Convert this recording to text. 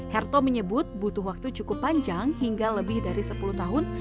herto menyebut butuh waktu cukup panjang hingga lebih dari sepuluh tahun